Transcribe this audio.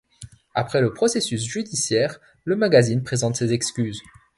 Après le processus judiciaire, le magazine présente ses excuses.